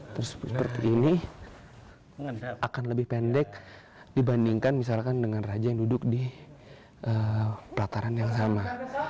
terus seperti ini akan lebih pendek dibandingkan misalkan dengan raja yang duduk di pelataran yang sama